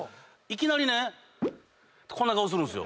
いきなり。